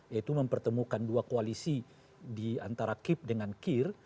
yaitu mempertemukan dua koalisi di antara kip dengan kir